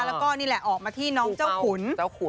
แล้วก็นี่แหละออกมาที่น้องเจ้าขุน